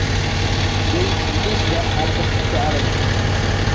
They released the album Challenge!